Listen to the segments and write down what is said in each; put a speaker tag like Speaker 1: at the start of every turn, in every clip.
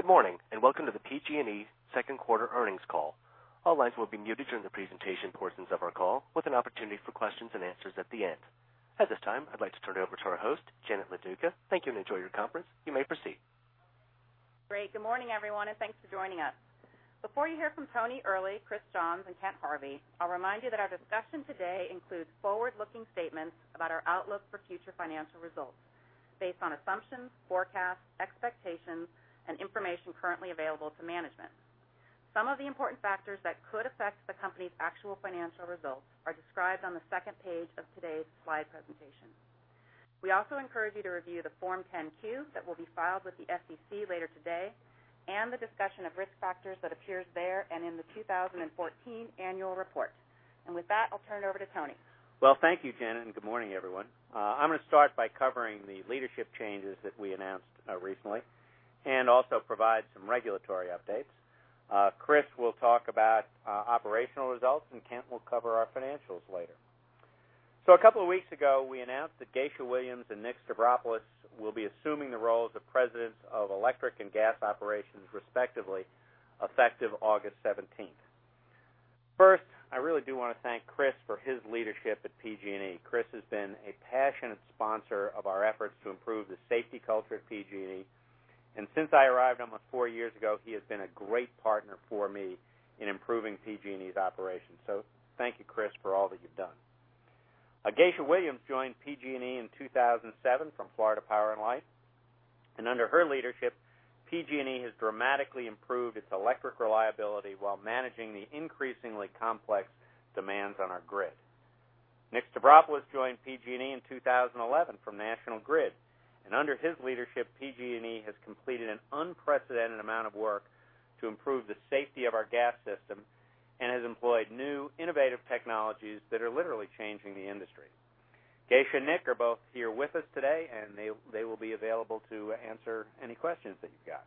Speaker 1: Good morning, welcome to the PG&E second quarter earnings call. All lines will be muted during the presentation portions of our call, with an opportunity for questions and answers at the end. At this time, I'd like to turn it over to our host, Janet Loduca. Thank you and enjoy your conference. You may proceed.
Speaker 2: Great. Good morning, everyone, thanks for joining us. Before you hear from Tony Earley, Chris Johns, and Kent Harvey, I'll remind you that our discussion today includes forward-looking statements about our outlook for future financial results based on assumptions, forecasts, expectations, and information currently available to management. Some of the important factors that could affect the company's actual financial results are described on the second page of today's slide presentation. We also encourage you to review the Form 10-Q that will be filed with the SEC later today, and the discussion of risk factors that appears there and in the 2014 annual report. With that, I'll turn it over to Tony.
Speaker 3: Well, thank you, Janet, good morning, everyone. I'm going to start by covering the leadership changes that we announced recently and also provide some regulatory updates. Chris will talk about our operational results, and Kent will cover our financials later. A couple of weeks ago, we announced that Geisha Williams and Nick Stavropoulos will be assuming the roles of presidents of electric and gas operations respectively, effective August 17th. First, I really do want to thank Chris for his leadership at PG&E. Chris has been a passionate sponsor of our efforts to improve the safety culture at PG&E, and since I arrived almost four years ago, he has been a great partner for me in improving PG&E's operations. Thank you, Chris, for all that you've done. Geisha Williams joined PG&E in 2007 from Florida Power & Light, and under her leadership, PG&E has dramatically improved its electric reliability while managing the increasingly complex demands on our grid. Nick Stavropoulos joined PG&E in 2011 from National Grid, and under his leadership, PG&E has completed an unprecedented amount of work to improve the safety of our gas system and has employed new, innovative technologies that are literally changing the industry. Geisha and Nick are both here with us today, and they will be available to answer any questions that you've got.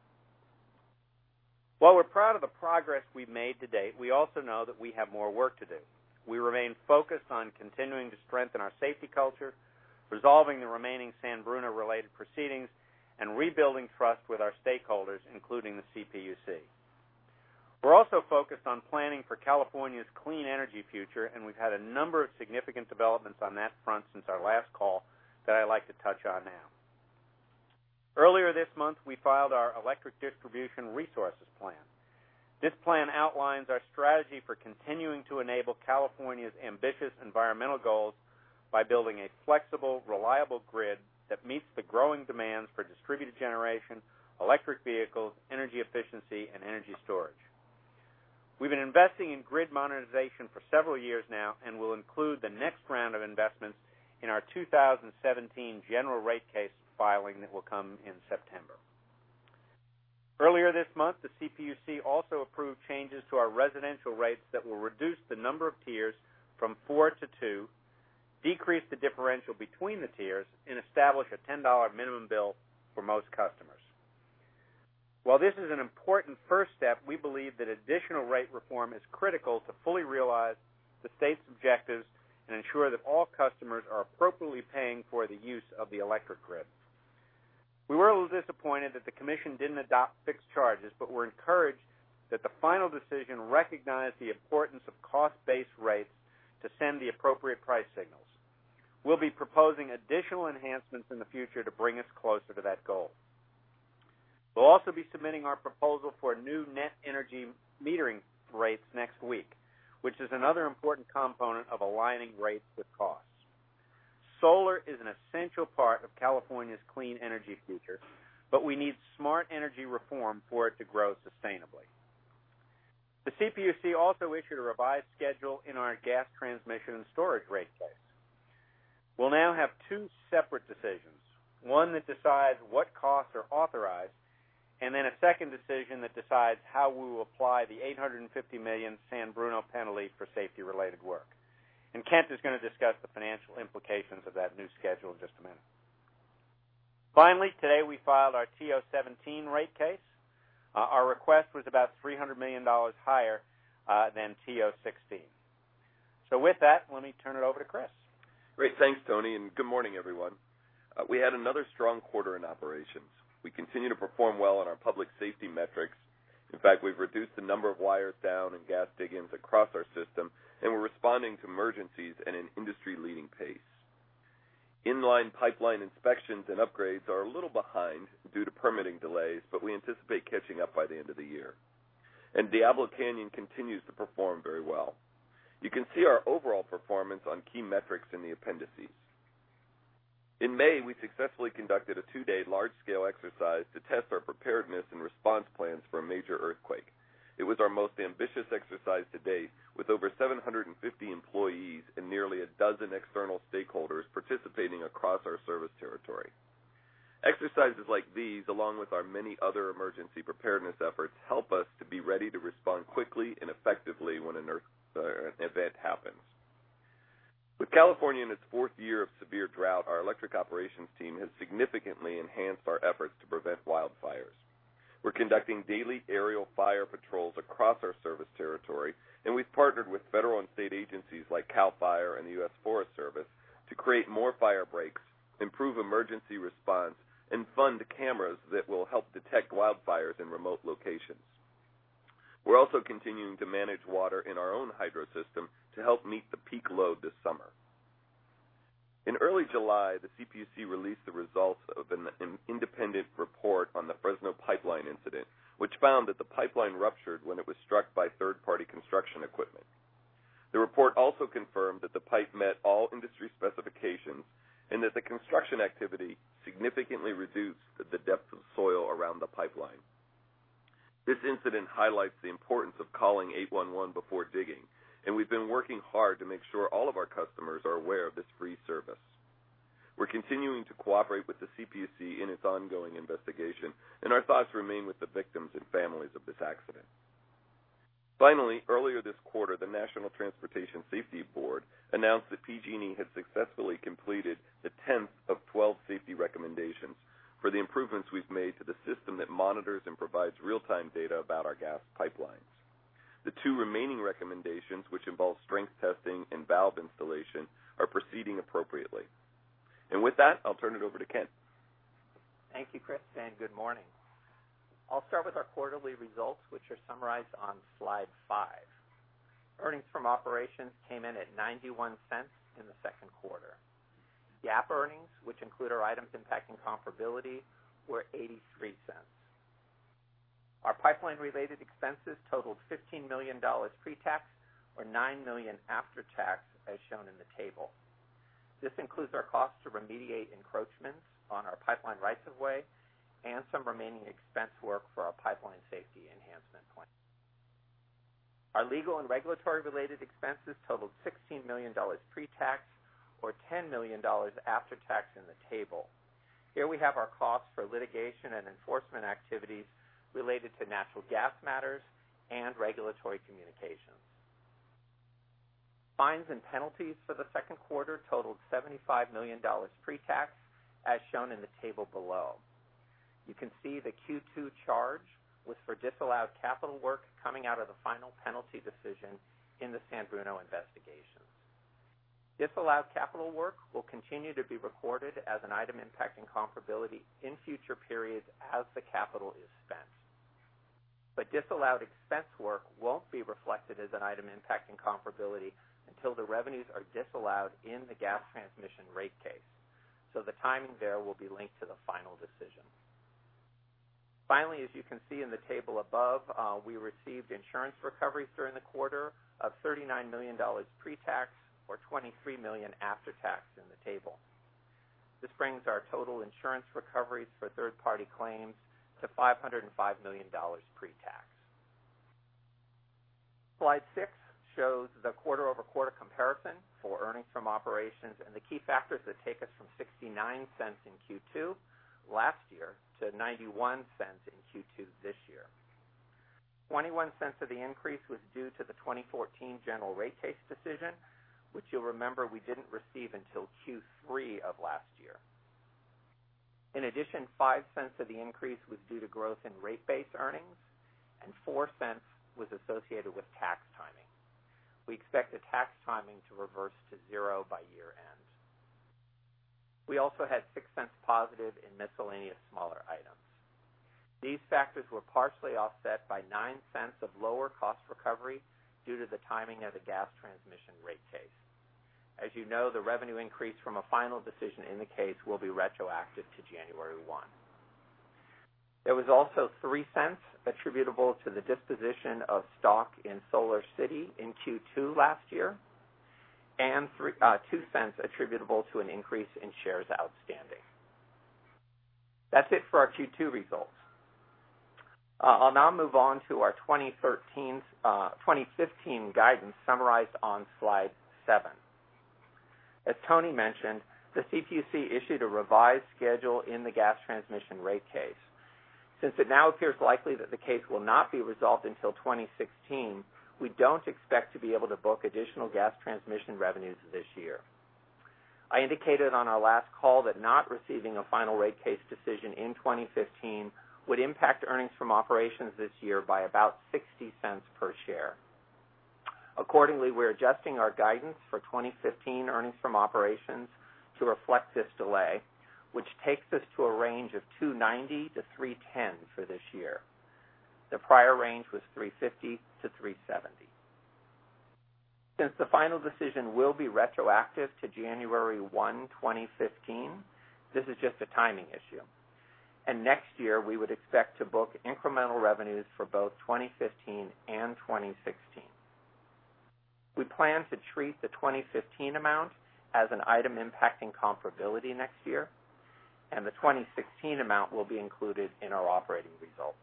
Speaker 3: While we're proud of the progress we've made to date, we also know that we have more work to do. We remain focused on continuing to strengthen our safety culture, resolving the remaining San Bruno-related proceedings, and rebuilding trust with our stakeholders, including the CPUC. We're also focused on planning for California's clean energy future. We've had a number of significant developments on that front since our last call that I'd like to touch on now. Earlier this month, we filed our electric distribution resources plan. This plan outlines our strategy for continuing to enable California's ambitious environmental goals by building a flexible, reliable grid that meets the growing demands for distributed generation, electric vehicles, energy efficiency, and energy storage. We've been investing in grid modernization for several years now and will include the next round of investments in our 2017 general rate case filing that will come in September. Earlier this month, the CPUC also approved changes to our residential rates that will reduce the number of tiers from 4 to 2, decrease the differential between the tiers, and establish a $10 minimum bill for most customers. While this is an important first step, we believe that additional rate reform is critical to fully realize the state's objectives and ensure that all customers are appropriately paying for the use of the electric grid. We were a little disappointed that the commission didn't adopt fixed charges. We're encouraged that the final decision recognized the importance of cost-based rates to send the appropriate price signals. We'll be proposing additional enhancements in the future to bring us closer to that goal. We'll also be submitting our proposal for new net energy metering rates next week, which is another important component of aligning rates with costs. Solar is an essential part of California's clean energy future. We need smart energy reform for it to grow sustainably. The CPUC also issued a revised schedule in our Gas Transmission and Storage rate case. We'll now have two separate decisions, one that decides what costs are authorized, and then a second decision that decides how we will apply the $850 million San Bruno penalty for safety-related work. Kent is going to discuss the financial implications of that new schedule in just a minute. Finally, today we filed our TO17 rate case. Our request was about $300 million higher than TO16. With that, let me turn it over to Chris.
Speaker 4: Great. Thanks, Tony. Good morning, everyone. We had another strong quarter in operations. We continue to perform well on our public safety metrics. In fact, we've reduced the number of wires down and gas dig-ins across our system, and we're responding to emergencies at an industry-leading pace. Inline pipeline inspections and upgrades are a little behind due to permitting delays. We anticipate catching up by the end of the year. Diablo Canyon continues to perform very well. You can see our overall performance on key metrics in the appendices. In May, we successfully conducted a two-day large-scale exercise to test our preparedness and response plans for a major earthquake. It was our most ambitious exercise to date, with over 750 employees and nearly a dozen external stakeholders participating across our service territory. Exercises like these, along with our many other emergency preparedness efforts, help us to be ready to respond quickly and effectively when an earth event happens. With California in its fourth year of severe drought, our electric operations team has significantly enhanced our efforts to prevent wildfires. We're conducting daily aerial fire patrols across our service territory, and we've partnered with federal and state agencies like CAL FIRE and the U.S. Forest Service to create more fire breaks, improve emergency response, and fund cameras that will help detect wildfires in remote locations. We're also continuing to manage water in our own hydro system to help meet the peak load this summer. In early July, the CPUC released the results of an independent report on the Fresno pipeline incident, which found that the pipeline ruptured when it was struck by third-party construction equipment. The report also confirmed that the pipe met all industry specifications and that the construction activity significantly reduced the depth of soil around the pipeline. This incident highlights the importance of calling 811 before digging, and we've been working hard to make sure all of our customers are aware of this free service. We're continuing to cooperate with the CPUC in its ongoing investigation, and our thoughts remain with the victims and families of this accident. Finally, earlier this quarter, the National Transportation Safety Board announced that PG&E had successfully completed the 10th of 12 safety recommendations for the improvements we've made to the system that monitors and provides real-time data about our gas pipelines. The two remaining recommendations, which involve strength testing and valve installation, are proceeding appropriately. With that, I'll turn it over to Kent.
Speaker 5: Thank you, Chris. Good morning. I'll start with our quarterly results, which are summarized on slide five. Earnings from operations came in at $0.91 in the second quarter. GAAP earnings, which include our items impacting comparability, were $0.83. Our pipeline-related expenses totaled $15 million pre-tax or $9 million after tax, as shown in the table. This includes our cost to remediate encroachments on our pipeline rights of way and some remaining expense work for our pipeline safety enhancement plan. Our legal and regulatory-related expenses totaled $16 million pre-tax or $10 million after tax in the table. Here we have our costs for litigation and enforcement activities related to natural gas matters and regulatory communications. Fines and penalties for the second quarter totaled $75 million pre-tax, as shown in the table below. You can see the Q2 charge was for disallowed capital work coming out of the final penalty decision in the San Bruno investigation. Disallowed capital work will continue to be recorded as an item impacting comparability in future periods as the capital is spent. Disallowed expense work won't be reflected as an item impacting comparability until the revenues are disallowed in the gas transmission rate case. The timing there will be linked to the final decision. Finally, as you can see in the table above, we received insurance recoveries during the quarter of $39 million pre-tax or $23 million after tax in the table. This brings our total insurance recoveries for third-party claims to $505 million pre-tax. Slide six shows the quarter-over-quarter comparison for earnings from operations and the key factors that take us from $0.69 in Q2 last year to $0.91 in Q2 this year. $0.21 of the increase was due to the 2014 general rate case decision, which you'll remember we didn't receive until Q3 of last year. In addition, $0.05 of the increase was due to growth in rate-based earnings, and $0.04 was associated with tax timing. We expect the tax timing to reverse to 0 by year-end. We also had $0.06 positive in miscellaneous smaller items. These factors were partially offset by $0.09 of lower cost recovery due to the timing of the gas transmission rate case. As you know, the revenue increase from a final decision in the case will be retroactive to January 1. There was also $0.03 attributable to the disposition of stock in SolarCity in Q2 last year, and $0.02 attributable to an increase in shares outstanding. That's it for our Q2 results. I'll now move on to our 2015 guidance summarized on slide seven. As Tony mentioned, the CPUC issued a revised schedule in the gas transmission rate case. Since it now appears likely that the case will not be resolved until 2016, we don't expect to be able to book additional gas transmission revenues this year. I indicated on our last call that not receiving a final rate case decision in 2015 would impact earnings from operations this year by about $0.60 per share. Accordingly, we're adjusting our guidance for 2015 earnings from operations to reflect this delay, which takes us to a range of $2.90-$3.10 for this year. The prior range was $3.50-$3.70. Since the final decision will be retroactive to January 1, 2015, this is just a timing issue, and next year we would expect to book incremental revenues for both 2015 and 2016. We plan to treat the 2015 amount as an item impacting comparability next year, and the 2016 amount will be included in our operating results.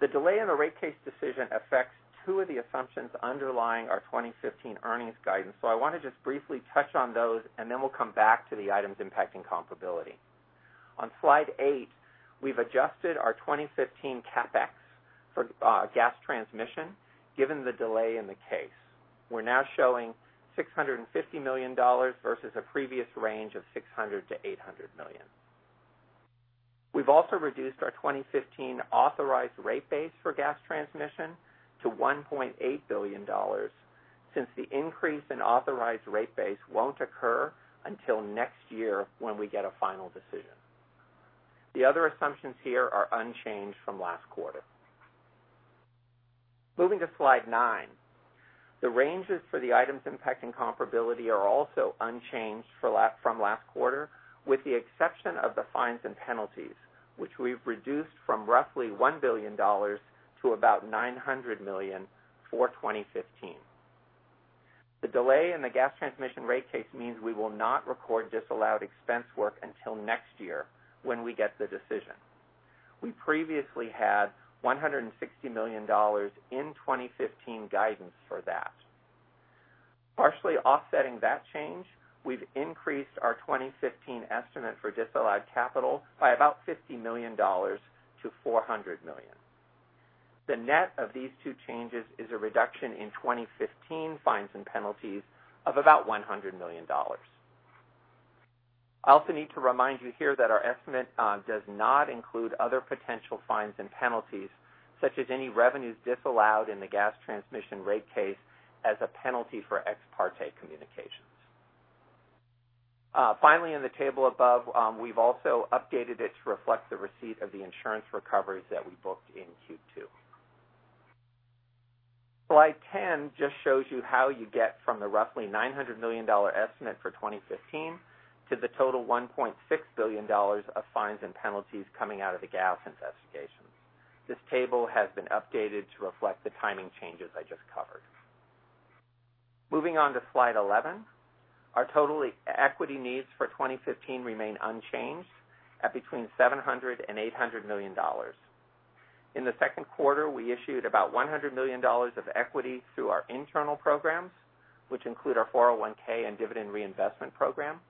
Speaker 5: The delay in the rate case decision affects two of the assumptions underlying our 2015 earnings guidance. I want to just briefly touch on those and then we'll come back to the items impacting comparability. On slide eight, we've adjusted our 2015 CapEx for gas transmission, given the delay in the case. We're now showing $650 million versus a previous range of $600 million-$800 million. We've also reduced our 2015 authorized rate base for gas transmission to $1.8 billion, since the increase in authorized rate base won't occur until next year when we get a final decision. The other assumptions here are unchanged from last quarter. Moving to slide nine. The ranges for the items impacting comparability are also unchanged from last quarter, with the exception of the fines and penalties, which we've reduced from roughly $1 billion to about $900 million for 2015. The delay in the gas transmission rate case means we will not record disallowed expense work until next year when we get the decision. We previously had $160 million in 2015 guidance for that. Partially offsetting that change, we've increased our 2015 estimate for disallowed capital by about $50 million to $400 million. The net of these two changes is a reduction in 2015 fines and penalties of about $100 million. I also need to remind you here that our estimate does not include other potential fines and penalties, such as any revenues disallowed in the gas transmission rate case as a penalty for ex parte communications. Finally, in the table above, we've also updated it to reflect the receipt of the insurance recoveries that we booked in Q2. Slide 10 just shows you how you get from the roughly $900 million estimate for 2015 to the total $1.6 billion of fines and penalties coming out of the gas investigations. This table has been updated to reflect the timing changes I just covered. Moving on to slide 11. Our total equity needs for 2015 remain unchanged at between $700 and $800 million. In the second quarter, we issued about $100 million of equity through our internal programs, which include our 401 and dividend reinvestment program.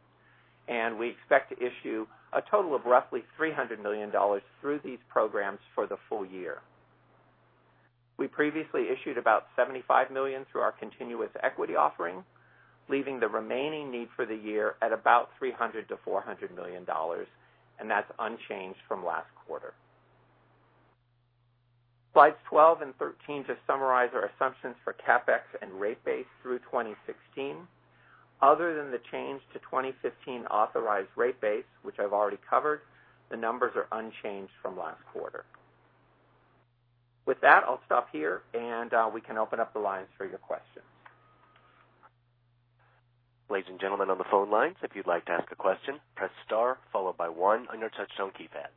Speaker 5: We expect to issue a total of roughly $300 million through these programs for the full year. We previously issued about $75 million through our continuous equity offering, leaving the remaining need for the year at about $300 to $400 million. That's unchanged from last quarter. Slides 12 and 13 just summarize our assumptions for CapEx and rate base through 2016. Other than the change to 2015 authorized rate base, which I've already covered, the numbers are unchanged from last quarter. With that, I'll stop here and we can open up the lines for your questions.
Speaker 1: Ladies and gentlemen on the phone lines, if you'd like to ask a question, press star followed by one on your touch tone keypad.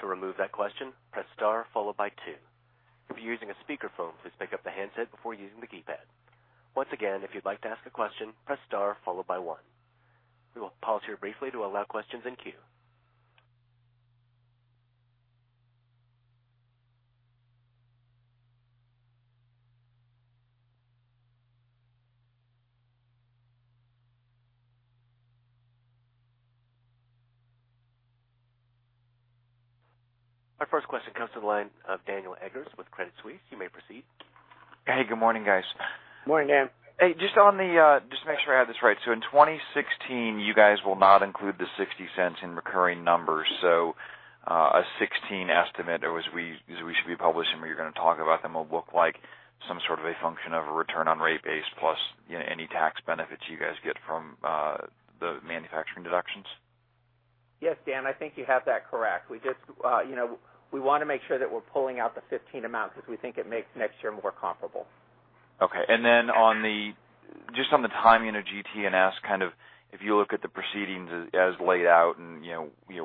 Speaker 1: To remove that question, press star followed by two. If you're using a speakerphone, please pick up the handset before using the keypad. Once again, if you'd like to ask a question, press star followed by one. We will pause here briefly to allow questions in queue. Our first question comes to the line of Daniel Eggers with Credit Suisse. You may proceed.
Speaker 6: Hey, good morning, guys.
Speaker 5: Morning, Dan.
Speaker 6: Hey, just make sure I have this right. In 2016, you guys will not include the $0.60 in recurring numbers. A 2016 estimate, as we should be publishing where you're going to talk about them, will look like some sort of a function of a return on rate base plus any tax benefits you guys get from the manufacturing deductions?
Speaker 5: Yes, Dan, I think you have that correct. We want to make sure that we're pulling out the 2015 amounts because we think it makes next year more comparable.
Speaker 6: Okay. Just on the timing of GT&S, if you look at the proceedings as laid out and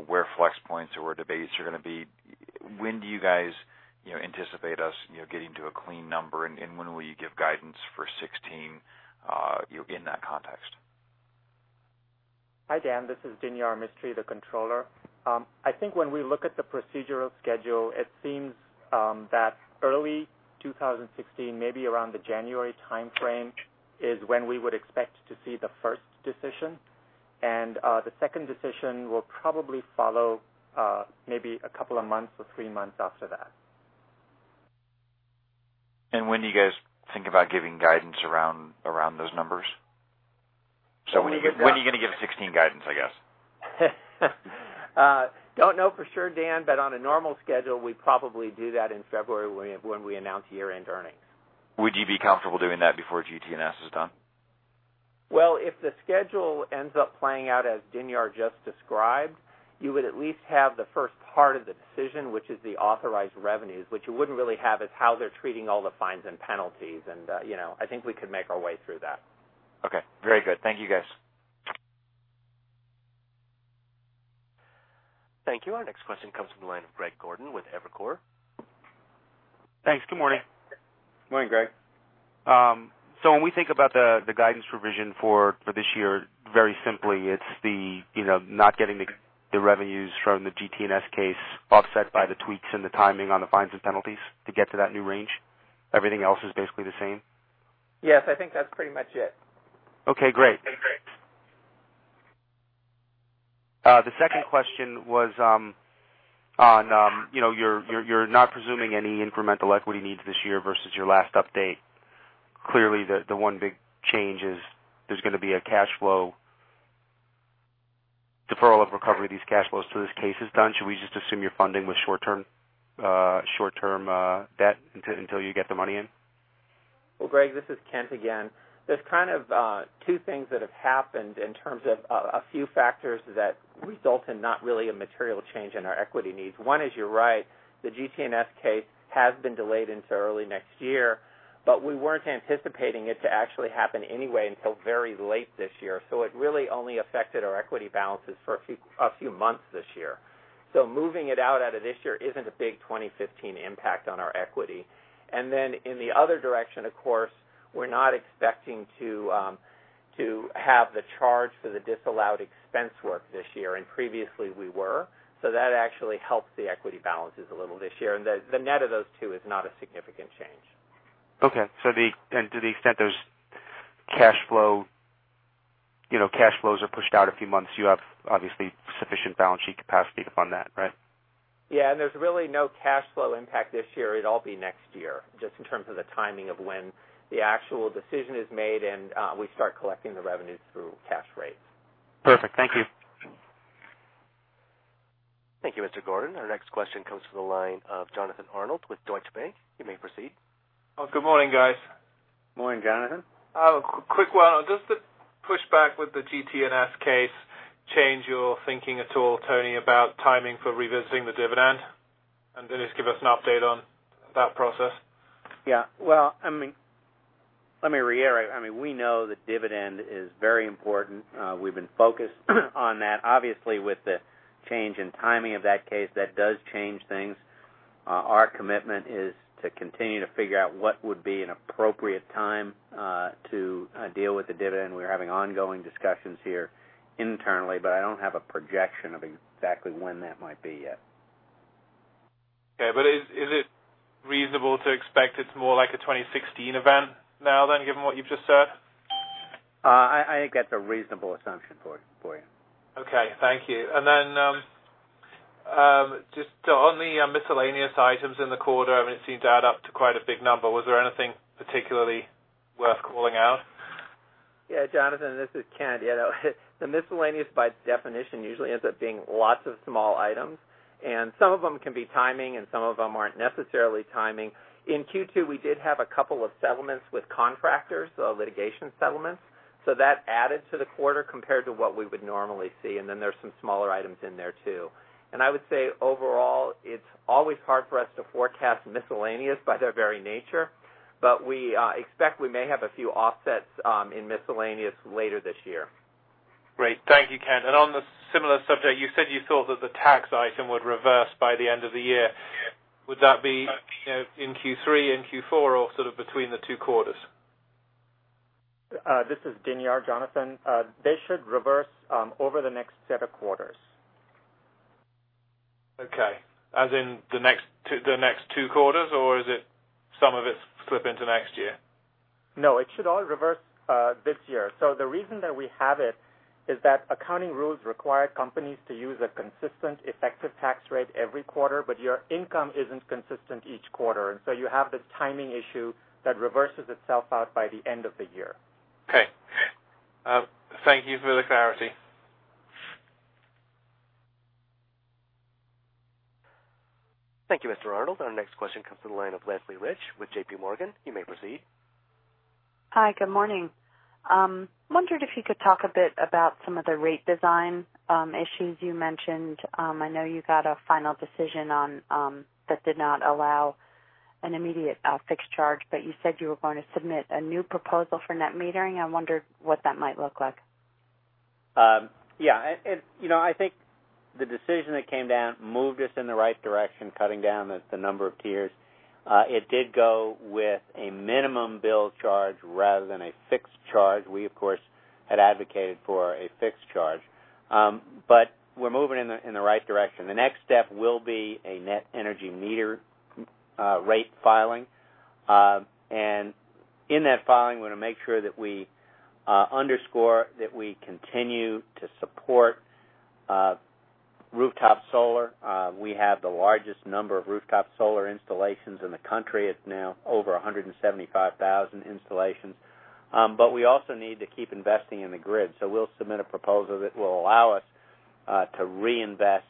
Speaker 6: where flex points or where debates are going to be, when do you guys anticipate us getting to a clean number and when will you give guidance for 2016 in that context?
Speaker 7: Hi, Dan. This is Dinyar Mistry, the Controller. I think when we look at the procedural schedule, it seems that early 2016, maybe around the January timeframe, is when we would expect to see the first decision. The second decision will probably follow maybe a couple of months or three months after that.
Speaker 6: When do you guys think about giving guidance around those numbers?
Speaker 5: When are you guys
Speaker 6: When are you going to give 2016 guidance, I guess?
Speaker 5: Don't know for sure, Dan. On a normal schedule, we probably do that in February when we announce year-end earnings.
Speaker 6: Would you be comfortable doing that before GT&S is done?
Speaker 5: Well, if the schedule ends up playing out as Dinyar just described, you would at least have the first part of the decision, which is the authorized revenues. What you wouldn't really have is how they're treating all the fines and penalties. I think we could make our way through that.
Speaker 6: Okay. Very good. Thank you, guys.
Speaker 1: Thank you. Our next question comes from the line of Greg Gordon with Evercore.
Speaker 8: Thanks. Good morning.
Speaker 5: Morning, Greg.
Speaker 8: When we think about the guidance provision for this year, very simply, it's the not getting the revenues from the GT&S case offset by the tweaks and the timing on the fines and penalties to get to that new range? Everything else is basically the same?
Speaker 5: Yes, I think that's pretty much it.
Speaker 8: Okay, great. The second question was on you're not presuming any incremental equity needs this year versus your last update. Clearly, the one big change is there's going to be a cash flow deferral of recovery of these cash flows till this case is done. Should we just assume you're funding with short-term debt until you get the money in?
Speaker 5: Well, Greg, this is Kent again. There's kind of two things that have happened in terms of a few factors that result in not really a material change in our equity needs. One is you're right, the GT&S case has been delayed until early next year, but we weren't anticipating it to actually happen anyway until very late this year. It really only affected our equity balances for a few months this year. Moving it out of this year isn't a big 2015 impact on our equity. In the other direction, of course, we're not expecting to have the charge for the disallowed expense work this year, and previously we were. That actually helps the equity balances a little this year, and the net of those two is not a significant change.
Speaker 8: Okay. To the extent those cash flows are pushed out a few months, you have obviously sufficient balance sheet capacity to fund that, right?
Speaker 5: Yeah. There's really no cash flow impact this year. It'll all be next year, just in terms of the timing of when the actual decision is made and we start collecting the revenues through cash rates.
Speaker 8: Perfect. Thank you.
Speaker 1: Thank you, Mr. Gordon. Our next question comes from the line of Jonathan Arnold with Deutsche Bank. You may proceed.
Speaker 9: Oh, good morning, guys.
Speaker 3: Morning, Jonathan.
Speaker 9: Quick one. Does the pushback with the GT&S case change your thinking at all, Tony, about timing for revisiting the dividend? Just give us an update on that process.
Speaker 3: Yeah. Well, let me reiterate. We know that dividend is very important. We've been focused on that. Obviously, with the change in timing of that case, that does change things. Our commitment is to continue to figure out what would be an appropriate time to deal with the dividend. We're having ongoing discussions here internally, but I don't have a projection of exactly when that might be yet.
Speaker 9: Okay. Is it reasonable to expect it's more like a 2016 event now then, given what you've just said?
Speaker 3: I think that's a reasonable assumption for you.
Speaker 9: Okay, thank you. Then, just on the miscellaneous items in the quarter, it seemed to add up to quite a big number. Was there anything particularly worth calling out?
Speaker 5: Jonathan, this is Kent. The miscellaneous, by definition, usually ends up being lots of small items, and some of them can be timing, and some of them aren't necessarily timing. In Q2, we did have a couple of settlements with contractors, so litigation settlements. That added to the quarter compared to what we would normally see, and then there's some smaller items in there, too. I would say overall, it's always hard for us to forecast miscellaneous by their very nature, but we expect we may have a few offsets in miscellaneous later this year.
Speaker 9: Great. Thank you, Kent. On the similar subject, you said you thought that the tax item would reverse by the end of the year. Would that be in Q3 and Q4 or sort of between the two quarters?
Speaker 7: This is Dinyar, Jonathan. They should reverse over the next set of quarters.
Speaker 9: Okay. As in the next two quarters, or is it some of it slip into next year?
Speaker 7: No, it should all reverse this year. The reason that we have it is that accounting rules require companies to use a consistent, effective tax rate every quarter, but your income isn't consistent each quarter. You have this timing issue that reverses itself out by the end of the year.
Speaker 9: Okay. Thank you for the clarity.
Speaker 1: Thank you, Mr. Arnold. Our next question comes from the line of Leslie Rich with JPMorgan. You may proceed.
Speaker 10: Hi, good morning. I wondered if you could talk a bit about some of the rate design issues you mentioned. I know you got a final decision that did not allow an immediate fixed charge. You said you were going to submit a new proposal for net metering. I wondered what that might look like.
Speaker 3: Yeah. I think the decision that came down moved us in the right direction, cutting down the number of tiers. It did go with a minimum bill charge rather than a fixed charge. We, of course, had advocated for a fixed charge. We're moving in the right direction. The next step will be a net energy meter rate filing. In that filing, we're going to make sure that we underscore that we continue to support rooftop solar. We have the largest number of rooftop solar installations in the country. It's now over 175,000 installations. We also need to keep investing in the grid. We'll submit a proposal that will allow us to reinvest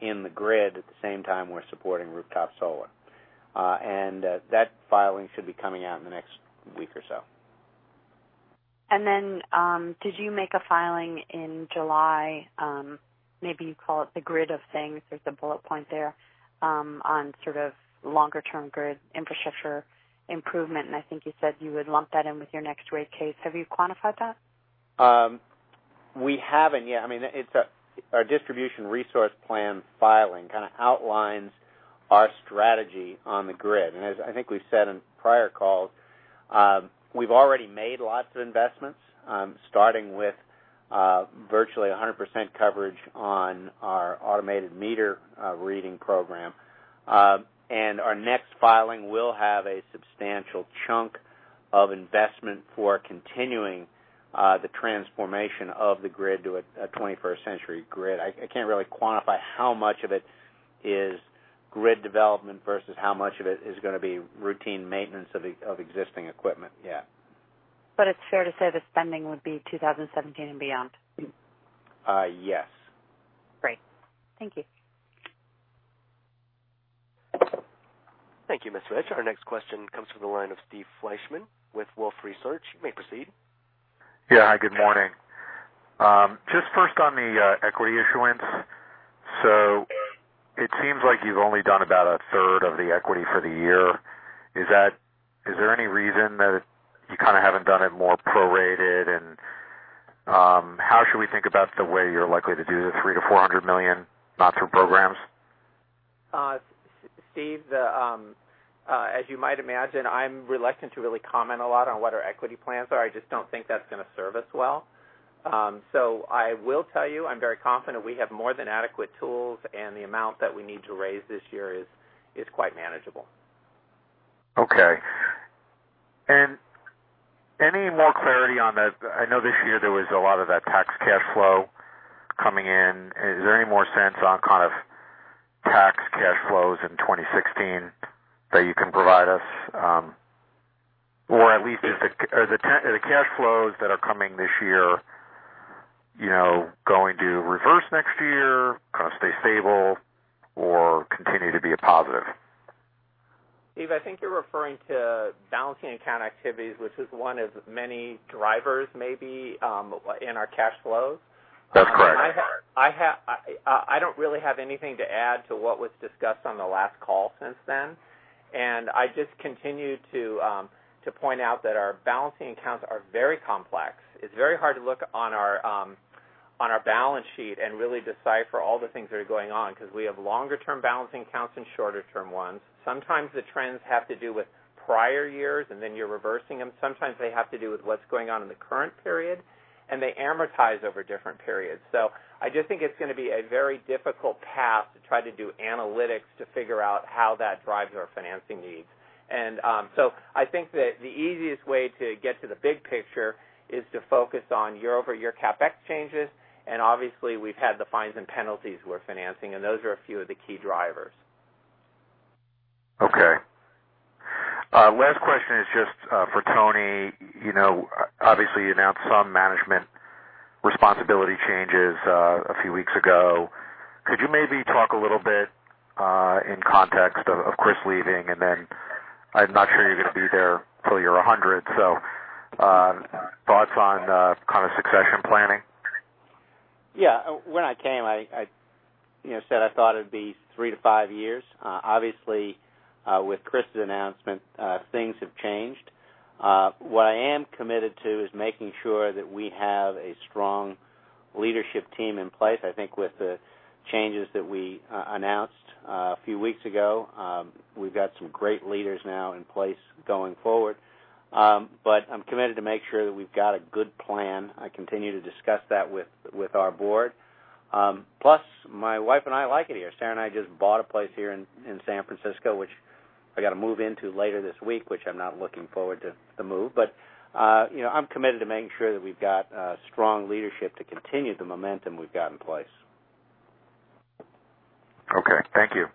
Speaker 3: in the grid at the same time we're supporting rooftop solar. That filing should be coming out in the next week or so.
Speaker 10: Did you make a filing in July? Maybe you call it the grid of things. There's a bullet point there, on sort of longer-term grid infrastructure improvement. I think you said you would lump that in with your next rate case. Have you quantified that?
Speaker 3: We haven't yet. Our distribution resource plan filing kind of outlines our strategy on the grid. As I think we've said in prior calls, we've already made lots of investments, starting with virtually 100% coverage on our automated meter reading program. Our next filing will have a substantial chunk of investment for continuing the transformation of the grid to a 21st century grid. I can't really quantify how much of it is grid development versus how much of it is going to be routine maintenance of existing equipment. Yeah.
Speaker 10: It's fair to say the spending would be 2017 and beyond?
Speaker 3: Yes.
Speaker 11: Great.
Speaker 10: Thank you.
Speaker 1: Thank you, Ms. Rich. Our next question comes from the line of Steve Fleishman with Wolfe Research. You may proceed.
Speaker 12: Yeah. Hi, good morning. Just first on the equity issuance. It seems like you've only done about a third of the equity for the year. Is there any reason that you haven't done it more prorated? How should we think about the way you're likely to do the $300 million-$400 million, not for programs?
Speaker 5: Steve, as you might imagine, I'm reluctant to really comment a lot on what our equity plans are. I just don't think that's going to serve us well. I will tell you, I'm very confident we have more than adequate tools, and the amount that we need to raise this year is quite manageable.
Speaker 12: Okay. Any more clarity on the I know this year there was a lot of that tax cash flow coming in. Is there any more sense on kind of tax cash flows in 2016 that you can provide us? Or at least are the cash flows that are coming this year going to reverse next year, kind of stay stable, or continue to be a positive?
Speaker 5: Steve, I think you're referring to balancing account activities, which is one of many drivers maybe in our cash flows.
Speaker 12: That's correct.
Speaker 5: I don't really have anything to add to what was discussed on the last call since then. I just continue to point out that our balancing accounts are very complex. It's very hard to look on our balance sheet and really decipher all the things that are going on because we have longer-term balancing accounts and shorter-term ones. Sometimes the trends have to do with prior years, and then you're reversing them. Sometimes they have to do with what's going on in the current period. They amortize over different periods. I just think it's going to be a very difficult path to try to do analytics to figure out how that drives our financing needs. I think that the easiest way to get to the big picture is to focus on year-over-year CapEx changes, and obviously, we've had the fines and penalties we're financing, and those are a few of the key drivers.
Speaker 12: Okay. Last question is just for Tony. Obviously, you announced some management responsibility changes a few weeks ago. Could you maybe talk a little bit in context of Chris leaving, and then I'm not sure you're going to be there till you're 100, thoughts on kind of succession planning?
Speaker 3: Yeah. When I came, I said I thought it'd be three to five years. Obviously with Chris's announcement, things have changed. What I am committed to is making sure that we have a strong leadership team in place. I think with the changes that we announced a few weeks ago, we've got some great leaders now in place going forward. I'm committed to make sure that we've got a good plan. I continue to discuss that with our board. Plus, my wife and I like it here. Sarah and I just bought a place here in San Francisco, which I got to move into later this week, which I'm not looking forward to the move. I'm committed to making sure that we've got strong leadership to continue the momentum we've got in place.
Speaker 12: Okay. Thank you.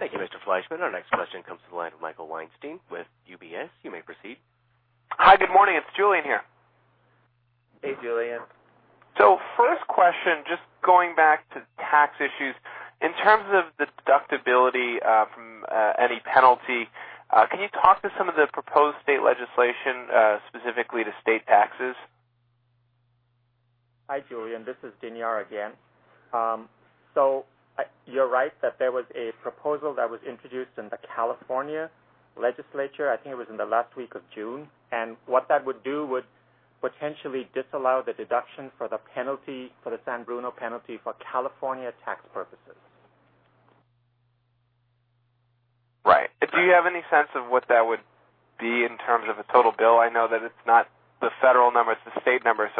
Speaker 1: Thank you, Mr. Fleishman. Our next question comes to the line of Michael Weinstein with UBS. You may proceed.
Speaker 13: Hi, good morning. It's Julien here.
Speaker 5: Hey, Julien.
Speaker 13: First question, just going back to tax issues. In terms of deductibility from any penalty, can you talk to some of the proposed state legislation, specifically to state taxes?
Speaker 7: Hi, Julian. This is Dinyar again. You're right that there was a proposal that was introduced in the California legislature, I think it was in the last week of June. What that would do would potentially disallow the deduction for the penalty for the San Bruno penalty for California tax purposes.
Speaker 13: Right. Do you have any sense of what that would be in terms of a total bill? I know that it's not the federal number, it's the state number, it's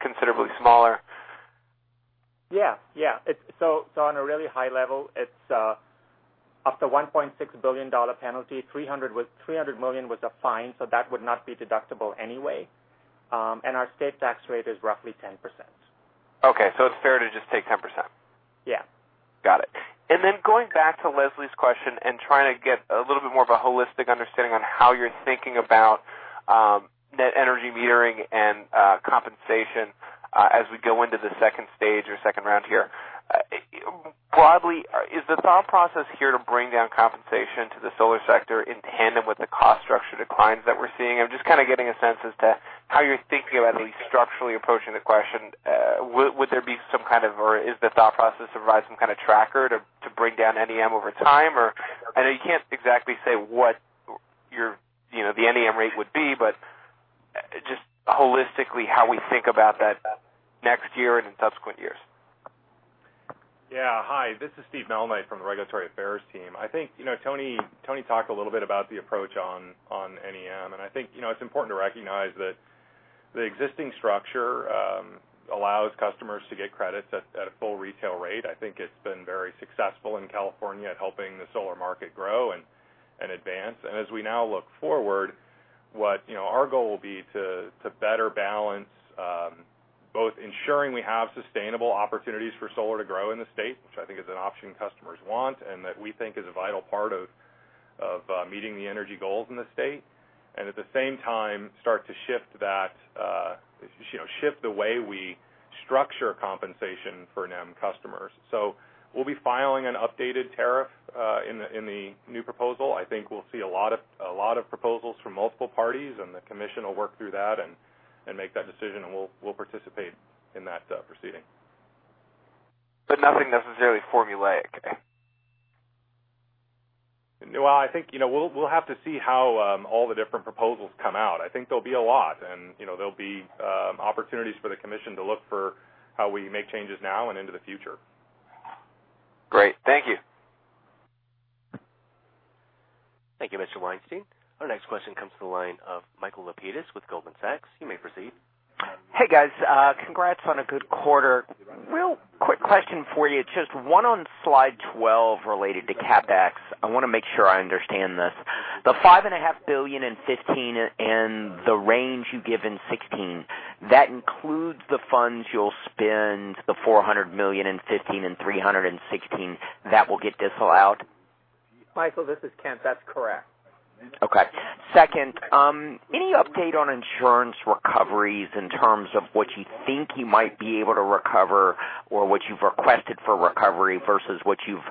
Speaker 13: considerably smaller.
Speaker 7: Yeah. On a really high level, it's up to $1.6 billion penalty. $300 million was a fine, that would not be deductible anyway. Our state tax rate is roughly 10%.
Speaker 13: Okay. It's fair to just take 10%?
Speaker 7: Yeah.
Speaker 13: Got it. Going back to Leslie's question and trying to get a little bit more of a holistic understanding on how you're thinking about net energy metering and compensation as we go into the second stage or second round here. Broadly, is the thought process here to bring down compensation to the solar sector in tandem with the cost structure declines that we're seeing? I'm just kind of getting a sense as to how you're thinking about at least structurally approaching the question. Is the thought process to provide some kind of tracker to bring down NEM over time, or I know you can't exactly say what the NEM rate would be, but just holistically how we think about that next year and in subsequent years.
Speaker 11: Yeah. Hi, this is Steve Malnight from the regulatory affairs team. I think Tony talked a little bit about the approach on NEM, I think it's important to recognize that the existing structure allows customers to get credits at a full retail rate. I think it's been very successful in California at helping the solar market grow and advance. As we now look forward What our goal will be to better balance both ensuring we have sustainable opportunities for solar to grow in the state, which I think is an option customers want, and that we think is a vital part of meeting the energy goals in the state. At the same time, start to shift the way we structure compensation for NEM customers. We'll be filing an updated tariff in the new proposal. I think we'll see a lot of proposals from multiple parties, the Commission will work through that and make that decision, we'll participate in that proceeding.
Speaker 13: Nothing necessarily formulaic.
Speaker 11: Well, I think, we'll have to see how all the different proposals come out. I think there'll be a lot, there'll be opportunities for the Commission to look for how we make changes now and into the future.
Speaker 13: Great. Thank you.
Speaker 1: Thank you, Mr. Weinstein. Our next question comes to the line of Michael Lapides with Goldman Sachs. You may proceed.
Speaker 14: Hey, guys. Congrats on a good quarter. Real quick question for you, just one on slide 12 related to CapEx. I want to make sure I understand this. The $5.5 billion in 2015 and the range you give in 2016, that includes the funds you'll spend, the $400 million in 2015 and $300 in 2016, that will get disallowed?
Speaker 5: Michael, this is Kent. That's correct.
Speaker 14: Okay. Second, any update on insurance recoveries in terms of what you think you might be able to recover or what you've requested for recovery versus what you've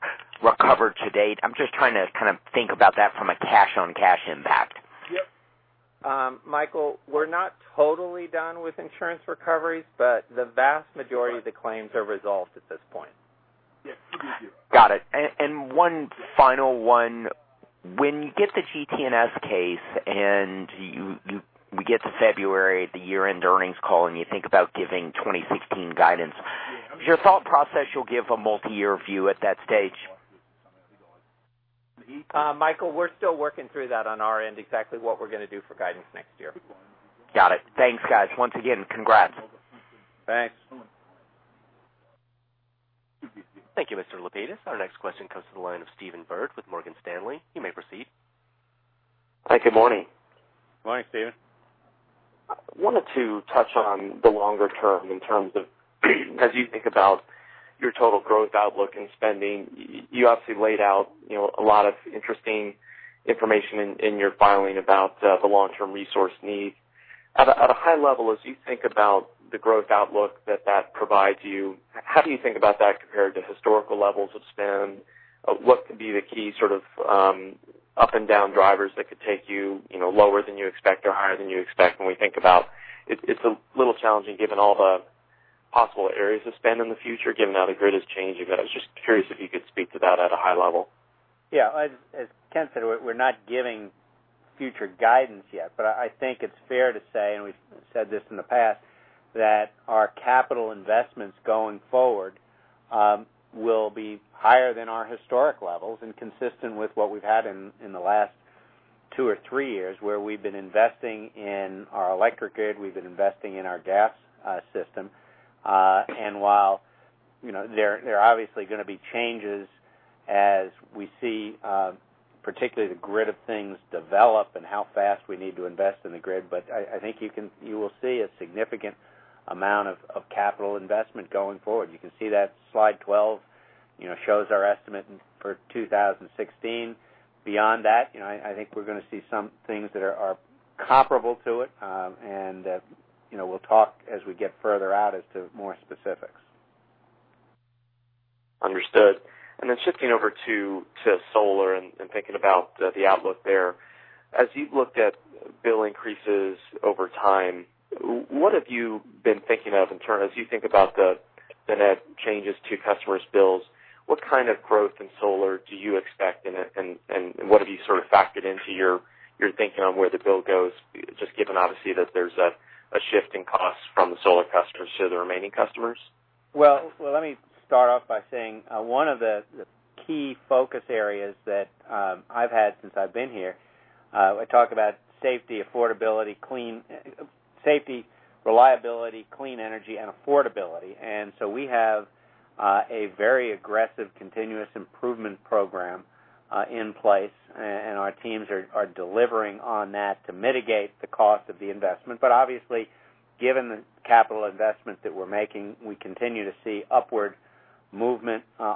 Speaker 14: recovered to date? I'm just trying to kind of think about that from a cash-on-cash impact.
Speaker 5: Yep. Michael, we're not totally done with insurance recoveries. The vast majority of the claims are resolved at this point.
Speaker 14: Yes, PG&E. Got it. One final one. When you get the GT&S case and we get to February at the year-end earnings call, and you think about giving 2016 guidance, is your thought process you'll give a multi-year view at that stage?
Speaker 5: Michael, we're still working through that on our end, exactly what we're going to do for guidance next year.
Speaker 14: Got it. Thanks, guys. Once again, congrats.
Speaker 5: Thanks.
Speaker 1: Thank you, Mr. Lapides. Our next question comes to the line of Stephen Byrd with Morgan Stanley. You may proceed.
Speaker 15: Hi, good morning.
Speaker 3: Morning, Stephen.
Speaker 15: I wanted to touch on the longer term in terms of as you think about your total growth outlook and spending, you obviously laid out a lot of interesting information in your filing about the long-term resource needs. At a high level, as you think about the growth outlook that that provides you, how do you think about that compared to historical levels of spend? What could be the key sort of up and down drivers that could take you lower than you expect or higher than you expect when we think about it's a little challenging given all the possible areas of spend in the future, given how the grid is changing. I was just curious if you could speak to that at a high level.
Speaker 3: Yeah. As Kent said, we're not giving future guidance yet, I think it's fair to say, and we've said this in the past, that our capital investments going forward will be higher than our historic levels and consistent with what we've had in the last two or three years, where we've been investing in our electric grid, we've been investing in our gas system. While there are obviously going to be changes as we see particularly the grid of things develop and how fast we need to invest in the grid. I think you will see a significant amount of capital investment going forward. You can see that slide 12 shows our estimate for 2016. Beyond that, I think we're going to see some things that are comparable to it. We'll talk as we get further out as to more specifics.
Speaker 15: Understood. Shifting over to solar and thinking about the outlook there. As you've looked at bill increases over time, what have you been thinking of in terms, as you think about the net changes to customers' bills, what kind of growth in solar do you expect, and what have you sort of factored into your thinking on where the bill goes, just given obviously that there's a shift in cost from the solar customers to the remaining customers?
Speaker 3: Well, let me start off by saying one of the key focus areas that I've had since I've been here, I talk about safety, affordability, clean safety, reliability, clean energy and affordability. We have a very aggressive continuous improvement program in place, and our teams are delivering on that to mitigate the cost of the investment. Obviously, given the capital investment that we're making, we continue to see upward movement on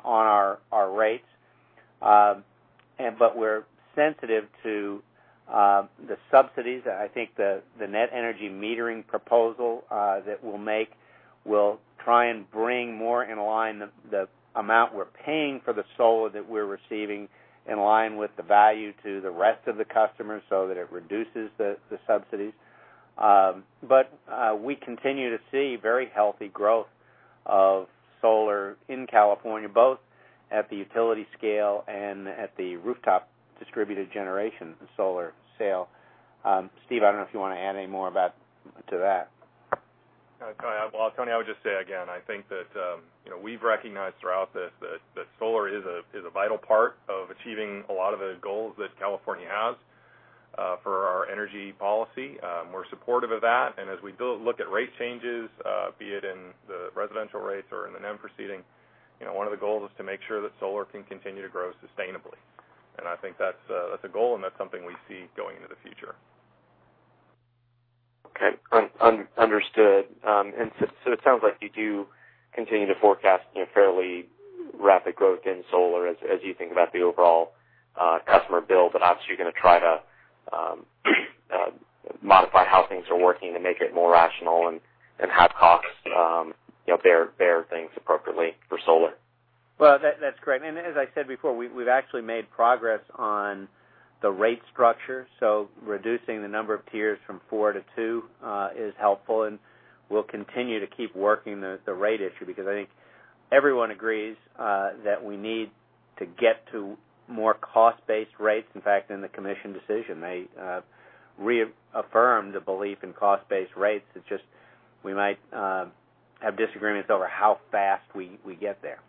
Speaker 3: our rates. We're sensitive to the subsidies. I think the Net Energy Metering proposal that we'll make will try and bring more in line the amount we're paying for the solar that we're receiving in line with the value to the rest of the customers so that it reduces the subsidies.
Speaker 11: We continue to see very healthy growth of solar in California, both at the utility scale and at the rooftop distributed generation solar sale. Steve, I don't know if you want to add any more to that. Tony, I would just say again, I think that we've recognized throughout this that solar is a vital part of achieving a lot of the goals that California has for our energy policy. We're supportive of that. As we look at rate changes, be it in the residential rates or in the NEM proceeding. One of the goals is to make sure that solar can continue to grow sustainably. I think that's a goal, and that's something we see going into the future.
Speaker 15: Okay. Understood. It sounds like you do continue to forecast fairly rapid growth in solar as you think about the overall customer bill, but obviously, you're going to try to modify how things are working to make it more rational and have costs bear things appropriately for solar.
Speaker 3: That's correct. As I said before, we've actually made progress on the rate structure, so reducing the number of tiers from 4 to 2 is helpful, and we'll continue to keep working the rate issue, because I think everyone agrees that we need to get to more cost-based rates. In fact, in the commission decision, they reaffirmed the belief in cost-based rates. It's just we might have disagreements over how fast we get there.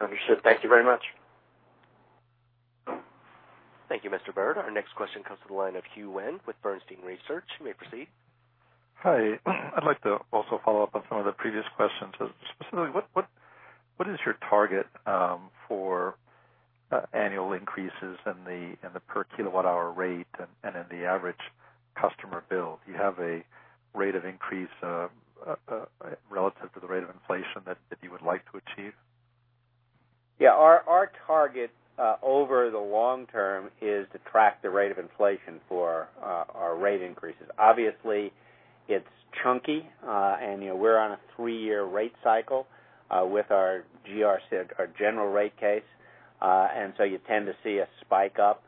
Speaker 15: Understood. Thank you very much.
Speaker 1: Thank you, Mr. Byrd. Our next question comes to the line of Hugh Wynne with Bernstein Research. You may proceed.
Speaker 16: Hi. I'd like to also follow up on some of the previous questions. Specifically, what is your target for annual increases in the per kilowatt-hour rate and in the average customer bill? Do you have a rate of increase relative to the rate of inflation that you would like to achieve?
Speaker 3: Yeah, our target over the long term is to track the rate of inflation for our rate increases. Obviously, it's chunky. We're on a three-year rate cycle with our GRC, our general rate case. You tend to see a spike up,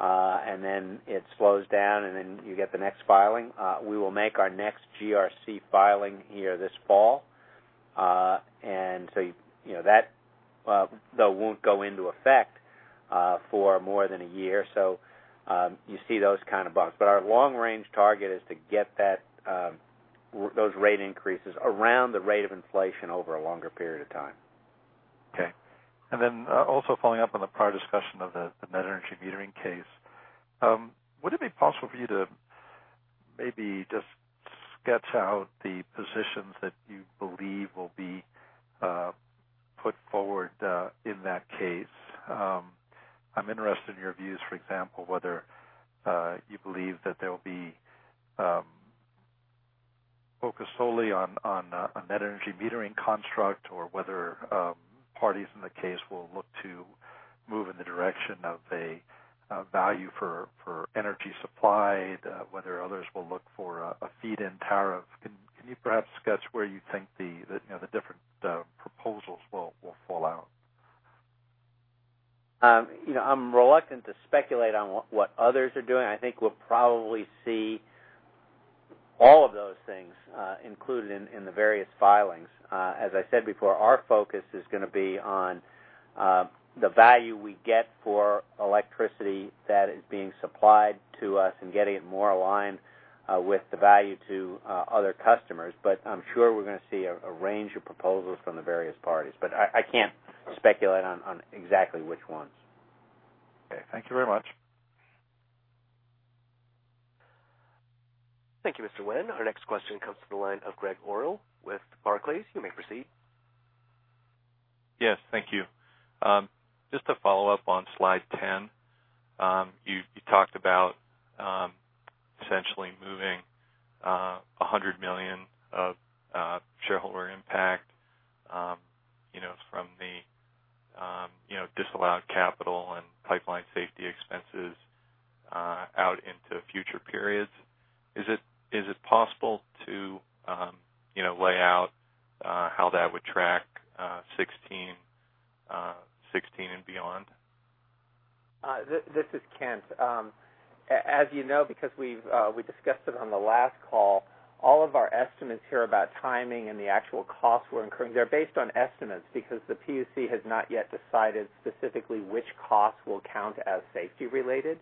Speaker 3: and then it slows down, and then you get the next filing. We will make our next GRC filing here this fall. That though won't go into effect for more than a year. You see those kind of bumps. Our long-range target is to get those rate increases around the rate of inflation over a longer period of time.
Speaker 16: Okay. Also following up on the prior discussion of the net energy metering case, would it be possible for you to maybe just sketch out the positions that you believe will be put forward in that case? I'm interested in your views, for example, whether you believe that they'll be focused solely on net energy metering construct or whether parties in the case will look to move in the direction of a value for energy supplied, whether others will look for a feed-in tariff. Can you perhaps sketch where you think the different proposals will fall out?
Speaker 3: I'm reluctant to speculate on what others are doing. I think we'll probably see all of those things included in the various filings. As I said before, our focus is going to be on the value we get for electricity that is being supplied to us and getting it more aligned with the value to other customers. I'm sure we're going to see a range of proposals from the various parties, but I can't speculate on exactly which ones.
Speaker 16: Okay. Thank you very much.
Speaker 1: Thank you, Mr. Wynne. Our next question comes to the line of Gregg Orrill with Barclays. You may proceed.
Speaker 17: Yes, thank you. Just to follow up on slide 10. You talked about essentially moving $100 million of shareholder impact from the disallowed capital and pipeline safety expenses out into future periods. Is it possible to lay out how that would track 2016 and beyond?
Speaker 5: This is Kent. As you know, because we discussed it on the last call, all of our estimates here about timing and the actual costs we're incurring, they're based on estimates because the PUC has not yet decided specifically which costs will count as safety related.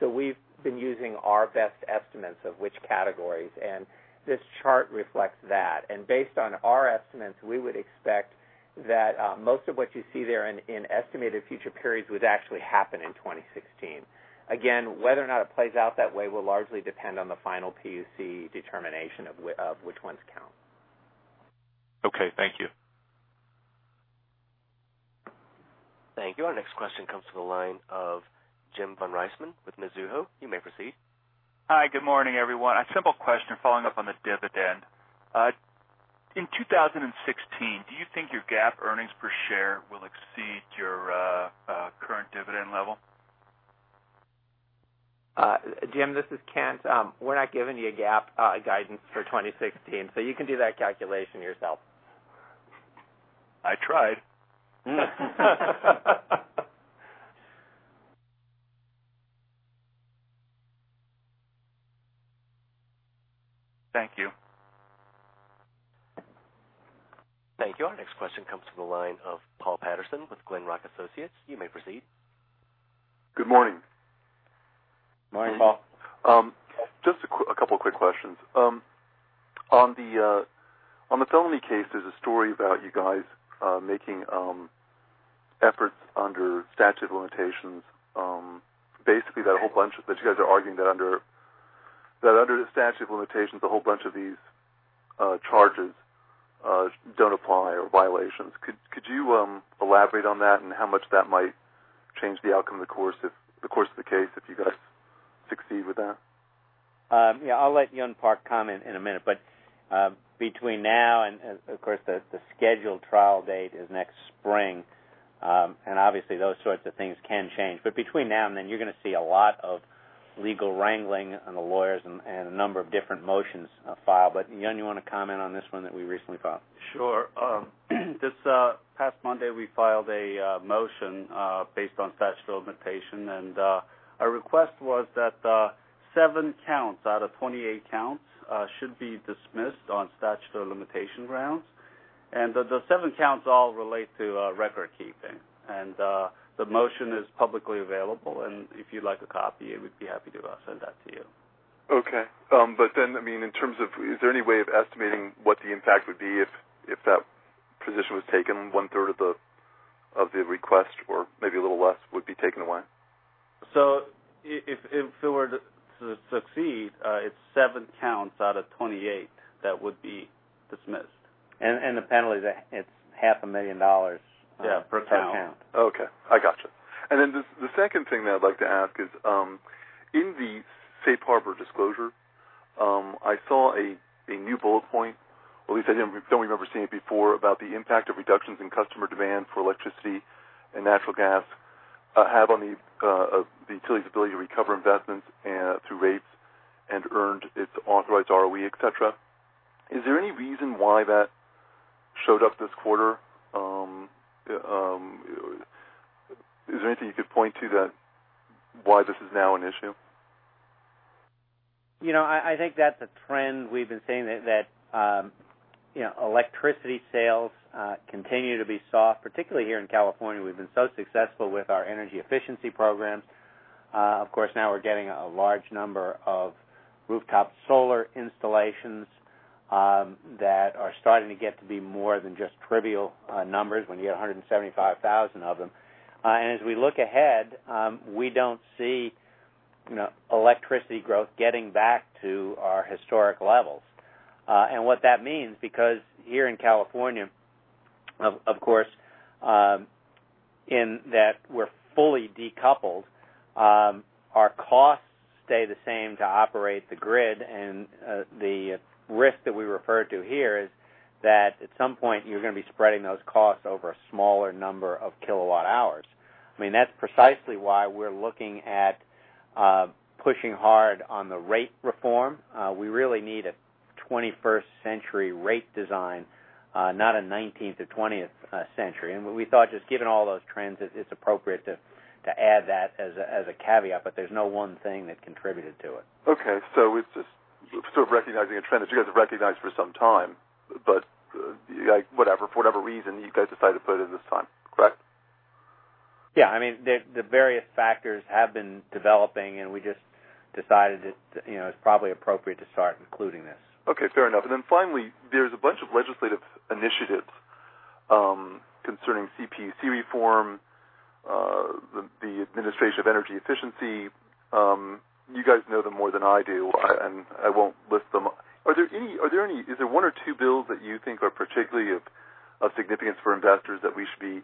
Speaker 5: We've been using our best estimates of which categories, and this chart reflects that. Based on our estimates, we would expect that most of what you see there in estimated future periods would actually happen in 2016. Again, whether or not it plays out that way will largely depend on the final PUC determination of which ones count.
Speaker 17: Okay. Thank you.
Speaker 1: Thank you. Our next question comes to the line of James von Riesemann with Mizuho. You may proceed.
Speaker 18: Hi. Good morning, everyone. A simple question following up on the dividend. In 2016, do you think your GAAP earnings per share will exceed your current dividend level?
Speaker 5: Jim, this is Kent. We're not giving you a GAAP guidance for 2016, so you can do that calculation yourself.
Speaker 18: I tried. Thank you.
Speaker 1: Thank you. Our next question comes from the line of Paul Patterson with Glenrock Associates. You may proceed.
Speaker 19: Good morning.
Speaker 3: Morning, Paul.
Speaker 19: Just a couple quick questions. On the Thelton case, there's a story about you guys making efforts under statute of limitations. Basically, that whole bunch that you guys are arguing that under That under the statute of limitations, a whole bunch of these charges don't apply, or violations. Could you elaborate on that and how much that might change the outcome of the course of the case if you guys succeed with that?
Speaker 3: Yeah. I'll let Hyun Park comment in a minute. Between now and, of course, the scheduled trial date is next spring, and obviously those sorts of things can change. Between now and then, you're going to see a lot of legal wrangling and the lawyers and a number of different motions filed. Hyun, you want to comment on this one that we recently filed?
Speaker 20: Sure. This past Monday, we filed a motion based on statute of limitation, our request was that seven counts out of 28 counts should be dismissed on statutory limitation grounds. The seven counts all relate to record keeping. The motion is publicly available, and if you'd like a copy, we'd be happy to send that to you.
Speaker 19: Okay. In terms of, is there any way of estimating what the impact would be if that position was taken, one-third of the request, or maybe a little less would be taken away?
Speaker 20: If it were to succeed, it's seven counts out of 28 that would be dismissed.
Speaker 3: The penalty, it's half a million dollars.
Speaker 20: Yeah. Per count
Speaker 3: per count.
Speaker 19: Okay. I gotcha. The second thing that I'd like to ask is, in the safe harbor disclosure, I saw a new bullet point, or at least I don't remember seeing it before, about the impact of reductions in customer demand for electricity and natural gas have on the utility's ability to recover investments through rates and earned its authorized ROE, et cetera. Is there any reason why that showed up this quarter? Is there anything you could point to that why this is now an issue?
Speaker 3: I think that's a trend we've been seeing, that electricity sales continue to be soft, particularly here in California. We've been so successful with our energy efficiency programs. Of course, now we're getting a large number of rooftop solar installations that are starting to get to be more than just trivial numbers when you get 175,000 of them. As we look ahead, we don't see electricity growth getting back to our historic levels. What that means, because here in California, of course, in that we're fully decoupled, our costs stay the same to operate the grid. The risk that we refer to here is that at some point, you're going to be spreading those costs over a smaller number of kilowatt hours. That's precisely why we're looking at pushing hard on the rate reform. We really need a twenty-first century rate design, not a nineteenth or twentieth century. We thought, just given all those trends, it's appropriate to add that as a caveat, but there's no one thing that contributed to it.
Speaker 19: Okay. It's just sort of recognizing a trend that you guys have recognized for some time, for whatever reason, you guys decided to put it in this time. Correct?
Speaker 3: Yeah. The various factors have been developing, we just decided it's probably appropriate to start including this.
Speaker 19: Okay, fair enough. Finally, there's a bunch of legislative initiatives concerning CPUC reform, the administration of energy efficiency. You guys know them more than I do, I won't list them. Is there one or two bills that you think are particularly of significance for investors that we should be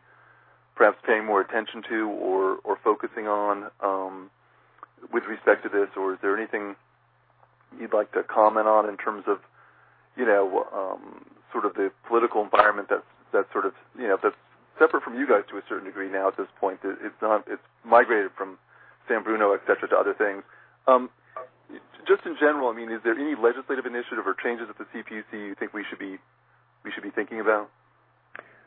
Speaker 19: perhaps paying more attention to or focusing on with respect to this? Is there anything you'd like to comment on in terms of the political environment that's separate from you guys to a certain degree now at this point? It's migrated from San Bruno, et cetera, to other things. Just in general, is there any legislative initiative or changes at the CPUC you think we should be thinking about?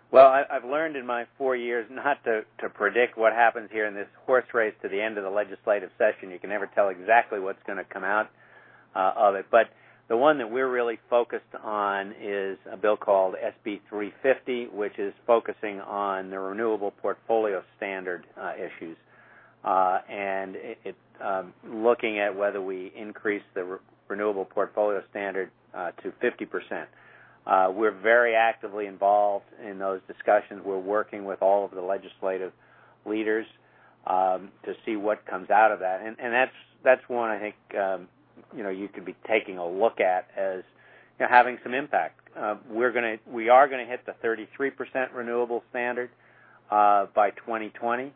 Speaker 3: Well, I've learned in my four years not to predict what happens here in this horse race to the end of the legislative session. You can never tell exactly what's going to come out of it. The one that we're really focused on is a bill called SB350, which is focusing on the renewable portfolio standard issues. It's looking at whether we increase the renewable portfolio standard to 50%. We're very actively involved in those discussions. We're working with all of the legislative leaders to see what comes out of that. That's one I think you could be taking a look at as having some impact. We are going to hit the 33% renewable standard by 2020.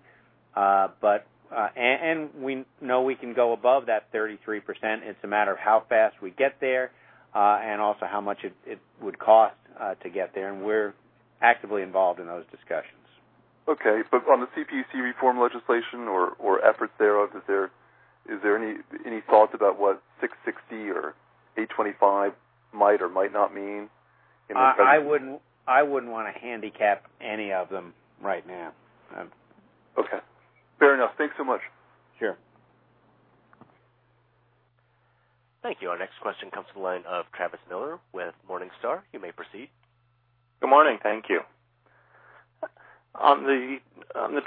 Speaker 3: We know we can go above that 33%. It's a matter of how fast we get there, also how much it would cost to get there, we're actively involved in those discussions.
Speaker 19: Okay. On the CPUC reform legislation or efforts there, is there any thoughts about what 660 or 825 might or might not mean in this effort?
Speaker 3: I wouldn't want to handicap any of them right now.
Speaker 19: Okay. Fair enough. Thanks so much.
Speaker 3: Sure.
Speaker 1: Thank you. Our next question comes to the line of Travis Miller with Morningstar. You may proceed.
Speaker 21: Good morning. Thank you. On the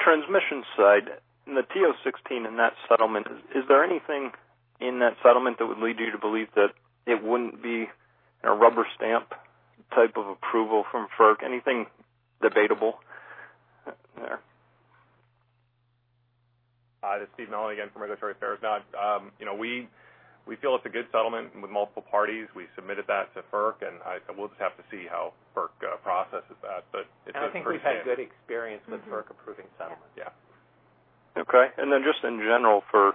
Speaker 21: transmission side, in the TO16 in that settlement, is there anything in that settlement that would lead you to believe that it wouldn't be a rubber stamp type of approval from FERC? Anything debatable there?
Speaker 11: This is Steve Malnight again from Regulatory Affairs. No. We feel it's a good settlement with multiple parties. We submitted that to FERC, we'll just have to see how FERC processes that.
Speaker 3: I think we've had good experience with FERC approving settlements.
Speaker 11: Yeah.
Speaker 21: Okay. Just in general for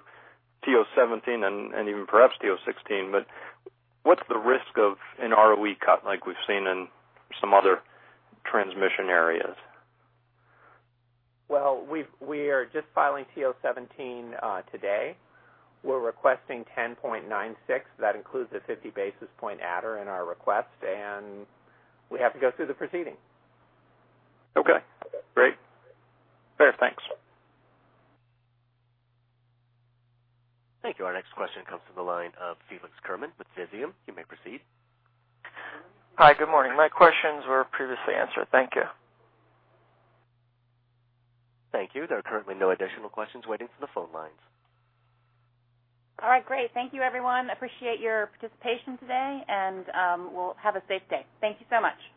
Speaker 21: TO17 and even perhaps TO16, but what's the risk of an ROE cut like we've seen in some other transmission areas?
Speaker 3: Well, we are just filing TO17 today. We're requesting 10.96%. That includes a 50 basis point adder in our request, and we have to go through the proceeding.
Speaker 21: Okay, great. Fair. Thanks.
Speaker 1: Thank you. Our next question comes from the line of Felix Kerman with Visium. You may proceed.
Speaker 22: Hi. Good morning. My questions were previously answered. Thank you.
Speaker 1: Thank you. There are currently no additional questions waiting for the phone lines.
Speaker 2: All right, great. Thank you, everyone. Appreciate your participation today, well, have a safe day. Thank you so much.